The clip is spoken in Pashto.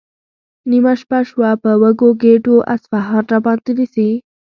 نیمه شپه شوه، په وږو ګېډو اصفهان راباندې نیسي؟